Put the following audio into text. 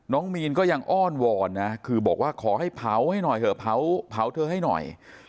น้องมีนก็ยังอ้อนวอนนะคือบอกว่าขอให้เผาให้หน่อยเถอะเผาเธอให้หน่อย